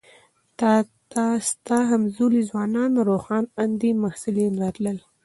تا ته ستا همزولي ځوانان روښان اندي محصلین راتلل.